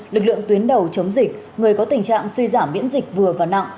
lực lượng tuyến đầu chống dịch người có tình trạng suy giảm biễn dịch vừa và nặng